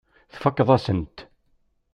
Tfakkeḍ-asen-t.